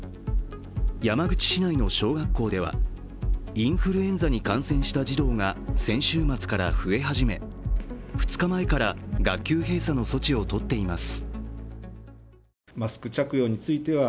山口市内の小学校ではインフルエンザに感染した児童が先週末から増え始め２日前から学級閉鎖の措置を取っています。